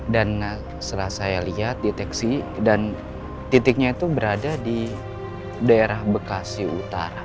dan setelah saya lihat deteksi dan titiknya itu berada di daerah bekasi utara